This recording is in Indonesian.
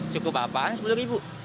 cukup apaan sepuluh ribu